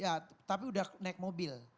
ya tapi udah naik mobil